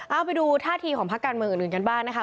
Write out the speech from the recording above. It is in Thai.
เอาไปดูท่าทีของภาคการเมืองอื่นกันบ้างนะคะ